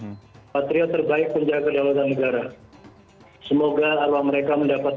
semoga allah mereka mendapat tempat terbaik di kehidupan indonesia